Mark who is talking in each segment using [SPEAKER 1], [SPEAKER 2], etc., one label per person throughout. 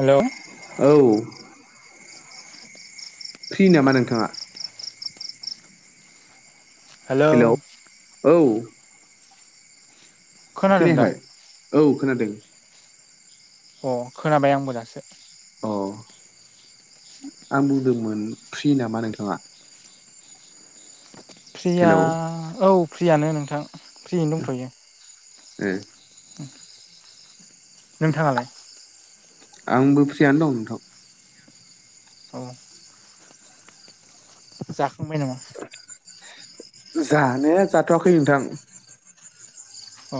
[SPEAKER 1] Hello
[SPEAKER 2] औ free नामा नोंथांङा?
[SPEAKER 1] हेलौ
[SPEAKER 2] हेल' औ।
[SPEAKER 1] खोनादों दा
[SPEAKER 2] खोनायाखै औ खोनादों।
[SPEAKER 1] अ खोनाबाय आंबो दासो।
[SPEAKER 2] अ आं बुंदोंमोन फ्रि नामा नोंथाङा?
[SPEAKER 1] फ्रिया
[SPEAKER 2] हेलौ
[SPEAKER 1] औ फ्रियानो नोंथां फ्रियैनो
[SPEAKER 2] ए
[SPEAKER 1] दंथ'यो। [inaudible] नोंथाङालाय?
[SPEAKER 2] आंबो फ्रियानो दं नोंथां।
[SPEAKER 1] औ जाखांबाय नामा?
[SPEAKER 2] जानो जाथ'वाखै नोंथां।
[SPEAKER 1] अ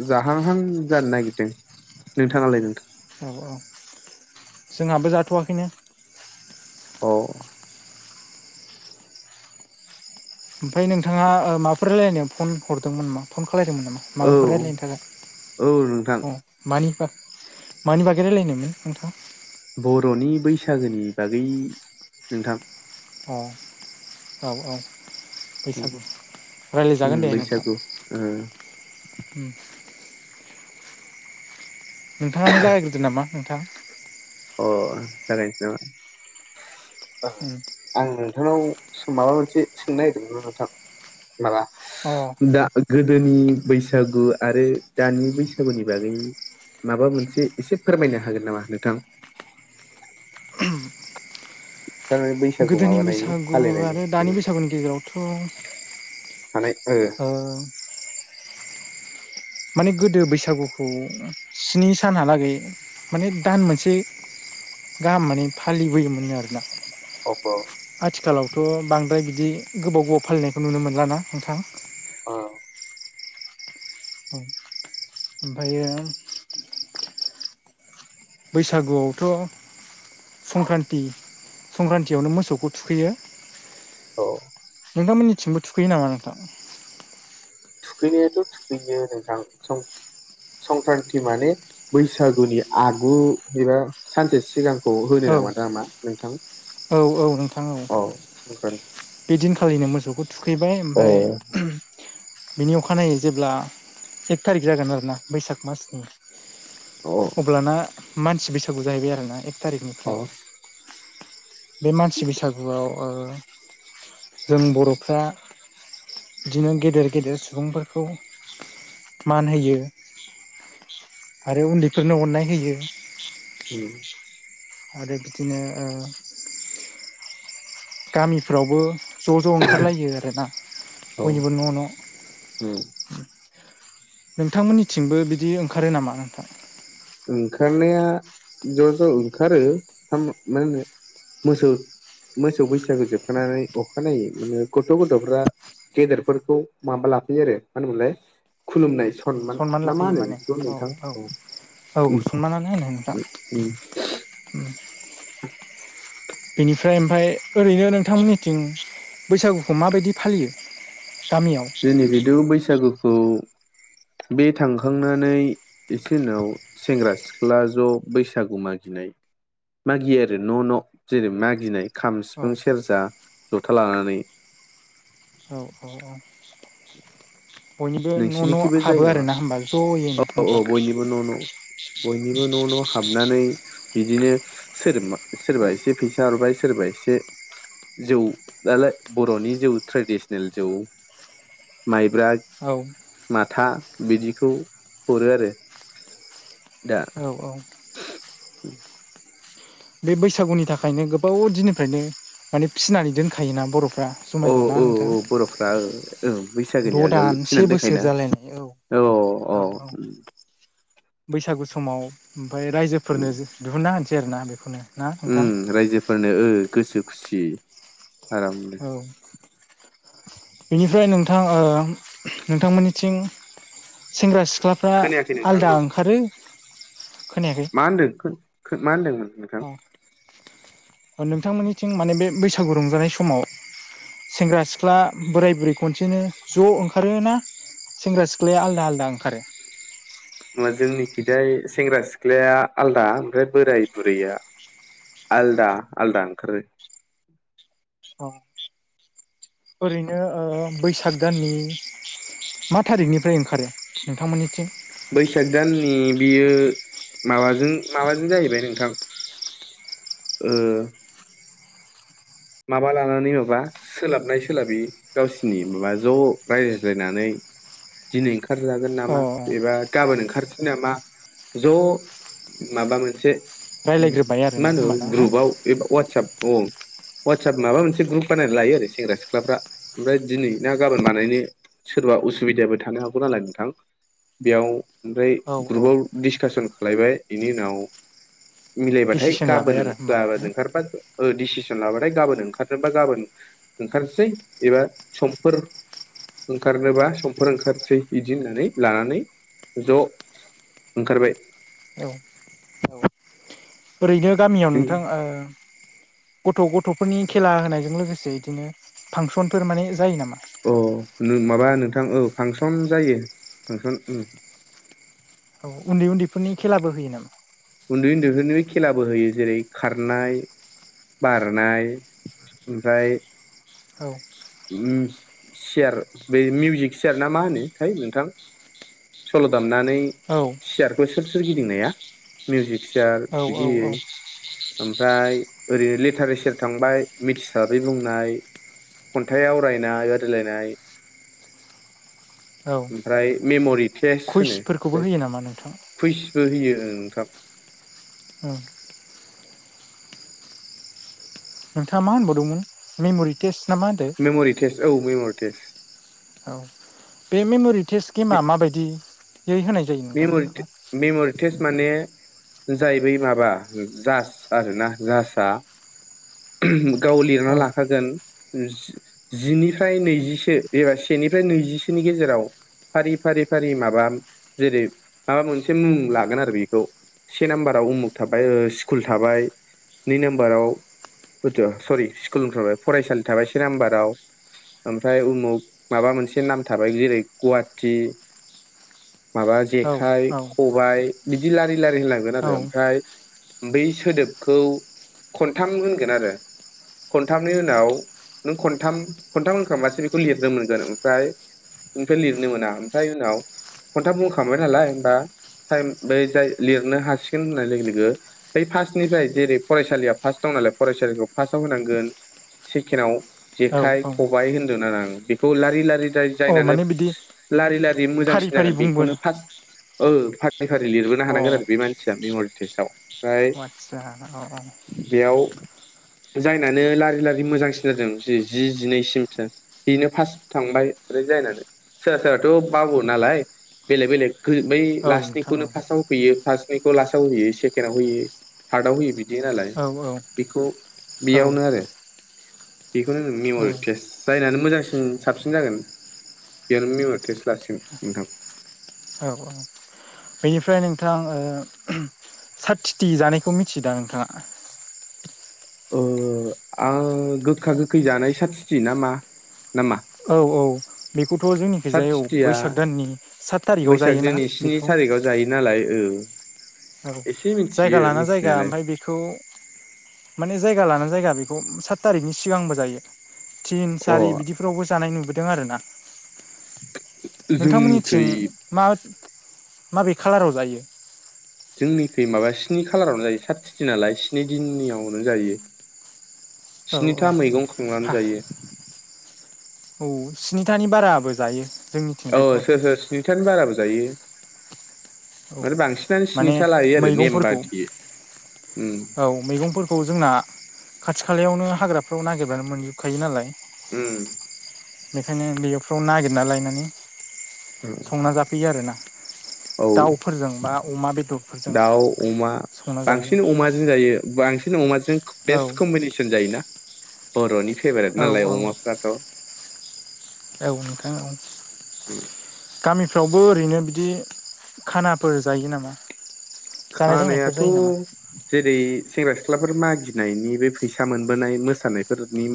[SPEAKER 2] ज-जाहांहां जानो नागिरदों नोंथांङालाय नोंथां?
[SPEAKER 1] औ औ जोंहाबो जाथ'वाखैनो।
[SPEAKER 2] अ।
[SPEAKER 1] ओमफाय नोंथाङा ओ माबाफोर रायलायनो फन हरदोंमोन नामा फन खालायदोंमोन नामा
[SPEAKER 2] औ
[SPEAKER 1] माबाफोर रायलायनो
[SPEAKER 2] औ नोंथां
[SPEAKER 1] थाखाय अ मानिबा मानि बागै रायलायनोमोन नोंथां?
[SPEAKER 2] बर'नि बैसागोनि बागै नोंथां।
[SPEAKER 1] अ औ औ। बैसागु
[SPEAKER 2] उम
[SPEAKER 1] राय्लायजागोन दे नोंथां
[SPEAKER 2] बैसागु
[SPEAKER 1] नोंथाङानो जागग्रोदो नामा नोंथाङा।
[SPEAKER 2] अ जागायनोसै नामा
[SPEAKER 1] उम
[SPEAKER 2] आं नोंथांनाव माबा मोनसे सोंनो नागिरदोंमोन नोंथां माबा
[SPEAKER 1] अ
[SPEAKER 2] दा गोदोनि बैसागु आरो दानि बैसागुनि बागै माबा मोनसे एसे फोरमायनो हागोन नामा नोंथां थारमानानि बैसागु
[SPEAKER 1] गोदोनि
[SPEAKER 2] माबानायनि
[SPEAKER 1] बैसागु
[SPEAKER 2] हालेनायनि
[SPEAKER 1] आरो दानि बैसागुनि गेजेरावथ'
[SPEAKER 2] मानाय ओ
[SPEAKER 1] माने गोदो बैसागुखौ स्नि सानहालागै माने दान मोनसे गाहाम माने फालिबोयोमोन आरोना
[SPEAKER 2] अ-अ
[SPEAKER 1] आथिखालावथ' बांद्राय बिदि गोबाव गोबाव फालिनायखौ नुनो मोनलाना नोंथां
[SPEAKER 2] अ
[SPEAKER 1] ओमफ्रायो बैसागुआवथ' संक्रान्ति संक्रान्तियावनो मोसौखौ थुखैयो
[SPEAKER 2] औ।
[SPEAKER 1] नोंथांमोननिथिंबो थुखैयो नामा नोंथां?
[SPEAKER 2] थुखिनायथ' थुखियो रां संखि संक्रान्ति माने बैसागुनि आगु एबा सानसे सिगां खौ होनदों
[SPEAKER 1] औ
[SPEAKER 2] नामा दा मा नोंथां?
[SPEAKER 1] औ औ नोंथां
[SPEAKER 2] औ संक्रान्ति
[SPEAKER 1] फालिनो मोसौखौ थुखैबाय।
[SPEAKER 2] अ
[SPEAKER 1] ओमफ्राय बिनि अखानायै जेब्ला एक थारिक जागोन आरो ना बैसाग मासनि
[SPEAKER 2] अ
[SPEAKER 1] अब्लाना मानसि बैसागु जाहैबाय आरोना एक
[SPEAKER 2] अ
[SPEAKER 1] थारिखनिफ्राय। बे मानसि बैसागुआव ओ जों बर'फ्रा बिदिनो गेदेर गेदेर सुबुंफोरखौ मान होयो आरो उन्दैफोरनो अननाय होयो।
[SPEAKER 2] हम
[SPEAKER 1] आरो बिदिनो ओ गामिफ्रावबो ज' ज' ओंखारलायो आरोना
[SPEAKER 2] औ
[SPEAKER 1] बयनिबो न' न'
[SPEAKER 2] उम
[SPEAKER 1] नोंथांमोननिथिंबो बिदि ओंखारो नामा नोंथां?
[SPEAKER 2] ओंखारनाया ज' ज' ओंखारो मा होनो मोसौ मोसौ बैसागो जोबखांनानै अखानायै माने गथ' गथ'फ्रा गेदेरफोरखौ माबा लाफैयो आरो मानो होनोमोनलाय खुलुमनाय खनमान
[SPEAKER 1] सनमान
[SPEAKER 2] ना मा
[SPEAKER 1] लाफैयो
[SPEAKER 2] होनो
[SPEAKER 1] माने
[SPEAKER 2] बिदिखौ
[SPEAKER 1] औ
[SPEAKER 2] नोंथां।
[SPEAKER 1] औ औ
[SPEAKER 2] उम
[SPEAKER 1] सनमानानो होनो
[SPEAKER 2] उम
[SPEAKER 1] नोंथां बेनिफ्राय ओमफ्राय ओरैनो नोंथांमोननिथिं बैसागुखौ माबायदि फालियो गामियाव
[SPEAKER 2] जोंनिफ्रायथ' बैसागुखौ बे थांखांनानै एसे उनाव सेंग्रा सिख्ला ज' बैसागु मागियो मागियो आरो न' न' जेरै मागिनाय खाम,
[SPEAKER 1] औ
[SPEAKER 2] सिफुं, सेरजा, जथा लानानै
[SPEAKER 1] द [unintelligible]
[SPEAKER 2] नोंसिनिखिबो
[SPEAKER 1] हाबो
[SPEAKER 2] जायो नामा
[SPEAKER 1] आरोना होमबा
[SPEAKER 2] औ
[SPEAKER 1] ज'यैनो
[SPEAKER 2] औ
[SPEAKER 1] नोंथां
[SPEAKER 2] बयनिबो न' न' बयनिबो न' न' हाबनानै बिदिनो सोर-सोरबा एसे फैसा हरबाय सोरबा एसे जौ दालाय बर'नि जौ ट्रेडिसनेल जौ माइब्रा
[SPEAKER 1] औ
[SPEAKER 2] माथा बिदिखौ हरो आरो
[SPEAKER 1] औ औ
[SPEAKER 2] उम
[SPEAKER 1] बे बैसागुनि थाखायनो गोबाव दिननिफ्रायनो माने फिनानै दोनखायोना बर' फ्रा
[SPEAKER 2] औ
[SPEAKER 1] जुमायखौ ना
[SPEAKER 2] औ
[SPEAKER 1] नोंथां
[SPEAKER 2] औ बर'फ्रा औ बैसागोनि
[SPEAKER 1] द'
[SPEAKER 2] आगोल
[SPEAKER 1] दान से
[SPEAKER 2] फिनानै
[SPEAKER 1] बोसोर
[SPEAKER 2] दोनखायोना
[SPEAKER 1] जालायनाय औ औ औ बैसागु समाव ओमफ्राय रायजोफोरनो दिहुनना होनसै आरो ना बेखौनो ना नोंथां
[SPEAKER 2] उम रायजोफोरनो ओ गोसो खुसि आरामनो
[SPEAKER 1] औ बेनिफ्राय नोंथां ओ नोंथांमोननिथिं। सेंग्रा सिख्लाफ्रा
[SPEAKER 2] खोनायाखै नोंथां र'
[SPEAKER 1] आलादा ओंखारो खोनायाखै
[SPEAKER 2] मा होनदों मा होनदोंमोन? नोंथां
[SPEAKER 1] अ' नोंथांमोननिथिं माने बे बैसागु रंजानाय समाव सेंग्रा सिख्ला बोराय बुरै खनसेनो ज' ओंखारोना सेंग्रा सिख्लाया आलादा आलादा ओंखारो।
[SPEAKER 2] नङा जोंनिखिजाय सेंग्रा सिख्लाया आलदा ओमफ्राय बोराय बुरैया आलदा आलदा ओंखारो
[SPEAKER 1] औ ओरैनो ओ बैसाग दाननि मा थारिखनिफ्राय ओंखारो नोंथांमोननिथिं।
[SPEAKER 2] बैसाग दाननि बियो माबाजों माबाजों जाहैबाय नोंथां ओ माबा लानानै माबा सोलाबनाय सोलाबै गावसिनि माबा ज' रायजायज्लायनानै दिनै ओंखारजागोन
[SPEAKER 1] अ
[SPEAKER 2] नामा एबा गाबोन ओंखारसै नामा ज' माबा मोनसे उम
[SPEAKER 1] रायलायग्रोबाय
[SPEAKER 2] मा
[SPEAKER 1] आरोना
[SPEAKER 2] होनो
[SPEAKER 1] होमबाना ना
[SPEAKER 2] ग्रुपाव एबा वाटसाप औ वाटसाप माबा मोनसे ग्रुप बानायनानै लायो आरो सेंग्रा सिख्लाफ्रा ओमफ्राय दिनै ना गाबोन बानायनो सोरबा उसुबिदाबो थानो हागौ नालाय नोंथां बेयाव ओमफ्राय
[SPEAKER 1] औ औ
[SPEAKER 2] ग्रुपाव डिसकासन खालायबाय बेनि उनाव मिलायबाथाय
[SPEAKER 1] डिसिसन
[SPEAKER 2] गाबोन
[SPEAKER 1] लाबाय आरो होमबाना
[SPEAKER 2] गाबोन
[SPEAKER 1] ना
[SPEAKER 2] ओंखारबा डिसिसन लाबाथाय फ्राय गाबोन ओंखारनोबा गाबोन ओंखारसै एबा समफोर ओंखारनोबा समफोर ओंखारसै इदि होननानै लानानै ज' ओंखारबाय
[SPEAKER 1] औ ओरैनो गामियाव नोंथां ओ गथ' गथ'फोरनि खेला होनायजों लोगोसे इदिनो फांसनफोर माने जायो नामा
[SPEAKER 2] अ नु माबा नोंथां औ फांसन जायो फांसन उम
[SPEAKER 1] औ उन्दै उन्दैफोरनि खेलाबो होयो नामा
[SPEAKER 2] उन्दै उन्दैफोरनिबो खेलाबो होयो जेरै खारनाय बारनाय, ओमफ्राय
[SPEAKER 1] औ
[SPEAKER 2] उम सियार बे मिउजिक सियार ना मा होनो मोनथाय नोंथां सल' दामनानै
[SPEAKER 1] औ
[SPEAKER 2] सियारखौ सोर सोर गिदिंनाया मिजिक सियार
[SPEAKER 1] औ औ
[SPEAKER 2] बिदि
[SPEAKER 1] औ
[SPEAKER 2] होयो ओमफ्राय ओरैनो लिटारेचार थांबाय मिथिस्लाबै बुंनाय खन्थाइ आवरायनाय बादायलायनाय
[SPEAKER 1] औ
[SPEAKER 2] ओमफ्राय मेमरि टेस्ट होनो
[SPEAKER 1] कुइसफोरखौबो
[SPEAKER 2] ओमफ्राय
[SPEAKER 1] होयो नामा नोंथां
[SPEAKER 2] कुइसबो होयो ओं नोंथां
[SPEAKER 1] ओं नोंथाङा मा होनबावदोंमोन मेम'रि टेस्ट ना मा होनदो
[SPEAKER 2] मेम'रि टेस्ट औ मेम'रि टेस्ट
[SPEAKER 1] औ बे मेमरि टेस्ट गेमा माबायदि?
[SPEAKER 2] मेम'रि मेम'रि टेस्ट माने जाय बै माबा जास आरोना जासआ गाव लिरना
[SPEAKER 1] औ
[SPEAKER 2] लाखागोन जिनिफ्राय नैजिसो एबा सेनिफ्राय नैजिसोनि गेजेराव फारि फारि फारि माबा जेरै माबा मोनसे मुं लागोन आरो बिखौ से नाम्बाराव उमुक थाबाय ओ स्कुल थाबाय नै नाम्बाराव। उथ' सरि स्कुल थबाय फरायसालि थाबाय से नाम्बाराव ओमफ्राय उमुख माबा मोनसे नाम थाबाय जेरै- गुवाहाटि माबा
[SPEAKER 1] औ
[SPEAKER 2] जेखाइ
[SPEAKER 1] औ
[SPEAKER 2] खबायाइ बिदि लारि लारि होनलांगोन आरो
[SPEAKER 1] औ
[SPEAKER 2] ओमफ्राय बै सोदोबखौ खनथाम होनगोन आरो खनथामनि उनाव नों खनथाम खनथाम होनखांबासो बेखौ लिरनो मोनगोन ओमफ्राय इनिफ्राय लिरनो मोना ओमफ्राय उनाव खन्थाम बुंखांबाय नालाय होमबा टाइम बे जाय लिरनो हासिगोन होननाय लोगो लोगो बै फार्स्टनिफ्राय जेरै फरायसालिया फार्स्ट दं फरायसालिखौ फार्स्ट‌आव होनांगोन। सेकेणडव
[SPEAKER 1] औ औ
[SPEAKER 2] जेखाइ-खबायाइ होन्दों आरो आं बेखौ लारि-लारि जाय
[SPEAKER 1] औ
[SPEAKER 2] जायननो
[SPEAKER 1] माने बिदि
[SPEAKER 2] लारि-लारि
[SPEAKER 1] फारि
[SPEAKER 2] मोजांसिन
[SPEAKER 1] फारि
[SPEAKER 2] जागोन
[SPEAKER 1] बुंबोन
[SPEAKER 2] बेखौनो फार्स्ट ओ फार्स्ट फारि फारि लिरबोनो हानांगोन आरो बे मानसिया मेम'रि टेस्टआव ओमफ्राय
[SPEAKER 1] अ आचसा अ
[SPEAKER 2] बेयाव जायनानो लारि-लारि मोजांसिन जादों जि- जि जिनैसिमसो बेनो फार्स्ट थांबाय। ओमफ्राय जायनानो सोरबा-सोरबाथ' बावो नालाय बेलेग बेलेग बै
[SPEAKER 1] औ नोंथां
[SPEAKER 2] लास्टनिखौनो
[SPEAKER 1] औ
[SPEAKER 2] फार्स्टआव होफैयो। फार्स्टनिखौ लास्टआव होयो सेकेण्डआव होयो थार्डआव होयो बिदि बिदि नालाय
[SPEAKER 1] औ औ
[SPEAKER 2] बेखौ
[SPEAKER 1] औ
[SPEAKER 2] बेयावनो आरो बेखौनो नों
[SPEAKER 1] औ
[SPEAKER 2] मेमरि टेस्ट जायनानै मोजां सि साबसिन जागोन बेनो मेमर टेस्ट लासिगोन नोंथां
[SPEAKER 1] औ औ बेनिफ्राय नों थां ओ साथिथि जानायखौ मिथिदां नोंथाङा
[SPEAKER 2] ओ आं गोखा गोखै जानाय साथिथि नामा
[SPEAKER 1] औ औ बेखौथ' जोंनिखिजाय औ
[SPEAKER 2] साथिथिया
[SPEAKER 1] बैसाग दाननि सात थारिखाव
[SPEAKER 2] बैसाग
[SPEAKER 1] जायोना
[SPEAKER 2] दिननि स्नि
[SPEAKER 1] बेखौ
[SPEAKER 2] थारिखआव जायो नालाय औ
[SPEAKER 1] औ
[SPEAKER 2] एसे मिथियो
[SPEAKER 1] जायगा लाना जायगा
[SPEAKER 2] मिथिनायालाय
[SPEAKER 1] ओमफ्राय बेखौ माने जायगा लाना जायगा बे बेखौ सात थारिखनि सिगांबो जायो थिन
[SPEAKER 2] अ
[SPEAKER 1] सारि बिदिफोरावबो जानाय नुबोदों आरो ना
[SPEAKER 2] जोंनिखै
[SPEAKER 1] नोंथांमोननिथिं म माबे खाालाराव जायो [unintelligible]
[SPEAKER 2] जोंनि खै माबा स्नि खालारावनो जायो साथिथि नालाय स्नि दिननियावनो जायो
[SPEAKER 1] औ
[SPEAKER 2] स्निथा मैगं
[SPEAKER 1] हा
[SPEAKER 2] खांनानै जायो।
[SPEAKER 1] औ स्निथानि बाराबो जायो।
[SPEAKER 2] औ
[SPEAKER 1] जोंनिथिंजायथ'
[SPEAKER 2] सोर सोर स्निथानि बाराबो जायो।
[SPEAKER 1] औ
[SPEAKER 2] मान बांसिनानो
[SPEAKER 1] माने
[SPEAKER 2] स्निथा लायो आरो नेम
[SPEAKER 1] मैगंफोरखौ
[SPEAKER 2] बथियो
[SPEAKER 1] औ मैगंफोरखौ जोंना खाथि खालायावनो हाग्राफ्राव नागिरबानो मोनजोबखायो नालाय
[SPEAKER 2] ओम
[SPEAKER 1] बेखायनो बेफ्राव नागिरना लायनानै संना जाफैयो आरोना
[SPEAKER 2] औ
[SPEAKER 1] दाउफोरजों बा अमा बेदर
[SPEAKER 2] दाउ अमा बांसिन अमाजों जायो बांसिन अमाज जों
[SPEAKER 1] औ
[SPEAKER 2] बेस्ट कम्बिनेसन जायोना बर'नि फेभरेट
[SPEAKER 1] औ
[SPEAKER 2] नालाय
[SPEAKER 1] औ
[SPEAKER 2] अमाफ्राथ'
[SPEAKER 1] औ नोंथां औ गामिफ्रावबो ओरैनो दि खानाफोर जायो नामा जानाय लोंनायफोर
[SPEAKER 2] खानायाथ'
[SPEAKER 1] जायो नामा
[SPEAKER 2] जेरै सेंग्रा सि सिख्लाफोर मागिनायनि बे फैसा मोनबोनाय मोसानायफोरनि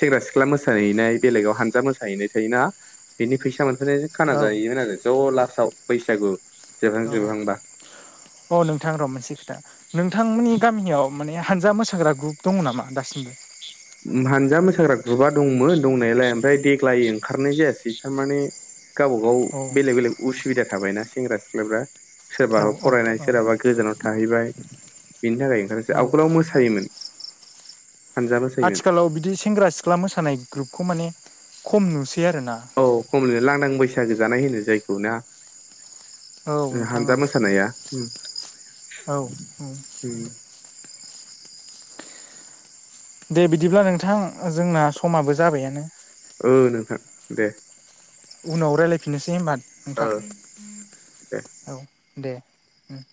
[SPEAKER 2] सेंग्रा-सिख्ला मोसाहैनाय बेलेगाव हानजा मोसाहैनाय थायोना बेनि फैसा मोन नायजों खाना
[SPEAKER 1] औ
[SPEAKER 2] जाहोमोन आरो ज' लास्टआव बैसागु जोबहां
[SPEAKER 1] औ
[SPEAKER 2] जोबहांबा
[SPEAKER 1] अ नोंथां र' मोनसे खोथा नोंथांमोननि गामियाव माने हानजा मोसाग्रा ग्रुप दङ नामा दासिमबो?
[SPEAKER 2] उम हानजा मोसाग्रा ग्रुपा दंमोन दंनायालाय ओमफ्राय देग्लाय ओंखारनाय जायासै तारमाने गावबाागाव
[SPEAKER 1] औ
[SPEAKER 2] बेलेग बेलेग उसुबिदा थाबायना सेंग्रा सिख्लाफ्रा
[SPEAKER 1] औ
[SPEAKER 2] सोरबा
[SPEAKER 1] औ
[SPEAKER 2] फरायनाय
[SPEAKER 1] औ
[SPEAKER 2] सोरहाबा गोजानाव थाहैबाय। बेनि थाखाय ओंखारासै
[SPEAKER 1] औ
[SPEAKER 2] आवगोलाव मोसायोमोन हानजा मो
[SPEAKER 1] आथिखालाव बिदि सेंग्रा सिख्ला मोसानाय ग्रुपखौ माने खम नुसै आरोना
[SPEAKER 2] औ खमलनो लांदां बैसागो जानाय होनो जायखौ नान?
[SPEAKER 1] औ
[SPEAKER 2] ओ
[SPEAKER 1] नोंथां
[SPEAKER 2] हानजा
[SPEAKER 1] औ
[SPEAKER 2] मोसानाया
[SPEAKER 1] औ औ
[SPEAKER 2] उम
[SPEAKER 1] दे बिदिब्ला नोंथां जोंना समाबो जाबायानो।
[SPEAKER 2] औ नोंथां दे।
[SPEAKER 1] उनाव रायलायफिननोसै होनबा
[SPEAKER 2] ओ
[SPEAKER 1] नोंथां
[SPEAKER 2] दे।
[SPEAKER 1] औ। दे उम